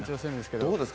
どうですか？